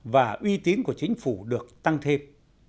và uy tín của chính phủ được tăng thêm